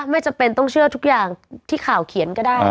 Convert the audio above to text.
ไม่จำเป็นต้องเชื่อทุกอย่างที่ข่าวเขียนก็ได้